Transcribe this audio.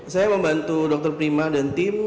saya membantu dokter prima dan tim